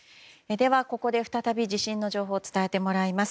では、ここで再び地震の情報を伝えてもらいます。